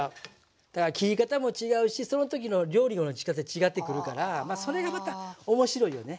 だから切り方も違うしその時の料理のしかたで違ってくるからまあそれがまた面白いよね。